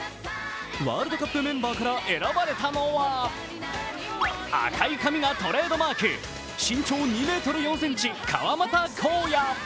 ワールドカップメンバーから選ばれたのは赤い髪がトレードマーク、身長２ｍ４ｃｍ、川真田紘也。